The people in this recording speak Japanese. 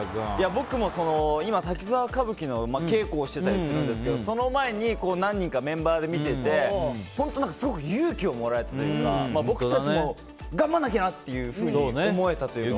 僕も「滝沢歌舞伎」の稽古をしてたりするんですけどその前に何人かで見ていて、すごく勇気をもらえて僕たちも頑張らなきゃなと思えた。